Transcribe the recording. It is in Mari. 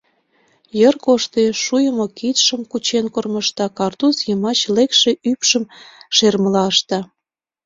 Йыр коштеш, шуйымо кидшым кучен кормыжта, картуз йымач лекше ӱпшым шермыла ышта.